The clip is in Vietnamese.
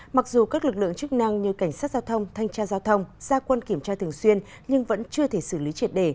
mặc dù các lực lượng chức năng như cảnh sát giao thông thanh tra giao thông gia quân kiểm tra thường xuyên nhưng vẫn chưa thể xử lý triệt đề